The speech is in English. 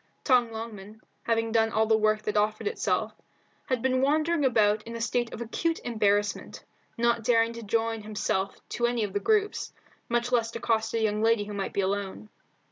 Tom Longman, having done all the work that offered itself, had been wandering about in a state of acute embarrassment, not daring to join himself to any of the groups, much less accost a young lady who might be alone.